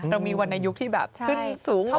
เรามีวันในยุคที่แบบขึ้นสูงออกต่ำ